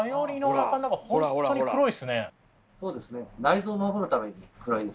そうですね。